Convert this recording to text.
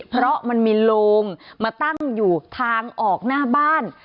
เพราะมันมีโลงมาตั้งอยู่ทางออกหน้าบ้าน